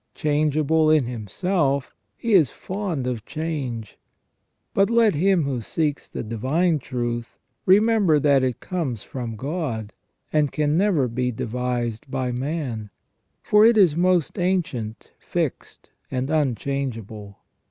Changeable in himself, he is fond of change. But let him who seeks the divine truth remember that it comes from God, and can never be devised by man, for it is most ancient, fixed, and unchangeable.